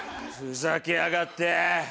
ふざけやがって。